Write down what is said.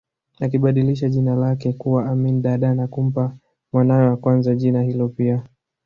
Akibadilisha jina lake kuwa Amin Dada na kumpa mwanawe wa kwanza jina hilo pia